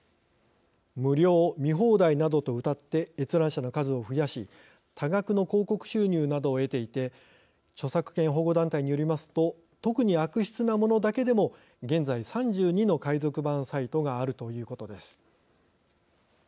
無料、見放題などとうたって閲覧者の数を増やし多額の広告収入などを得ていて著作権保護団体によりますと特に悪質なものだけでも現在３２の海賊版サイトがあるということです。